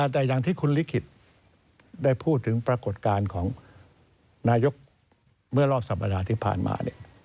แต่อย่างที่คุณลิขิตได้พูดถึงปรากฏการณ์ของนายกเมื่อรอบสัปดาห์ที่ผ่านมา